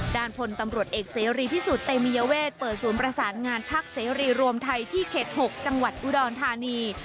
ด้านพลตำรวจเอกเสรีพิสุทธิเตมียเวทเปิดศูนย์ประสานงานพักเสรีรวมไทยที่เขต๖จังหวัดอุดรธานี